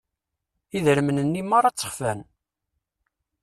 Idrimen-nni merra ttexfan.